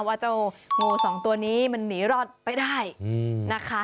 ว่าเจ้างูสองตัวนี้มันหนีรอดไปได้นะคะ